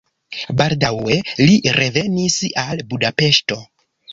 Baldaŭe li revenis al Budapeŝto.